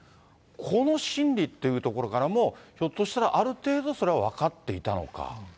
この心理っていうところからも、ひょっとしたらある程度それは分かっていたのか。